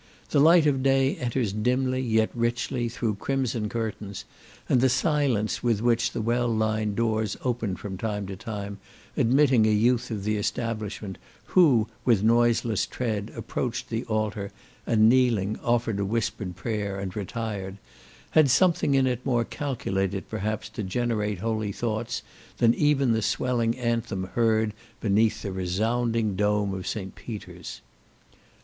The light of day enters dimly, yet richly, through crimson curtains, and the silence with which the well lined doors opened from time to time, admitting a youth of the establishment, who, with noiseless tread, approached the altar, and kneeling, offered a whispered prayer, and retired, had something in it more calculated, perhaps, to generate holy thoughts, than even the swelling anthem heard beneath the resounding dome of St. Peter's.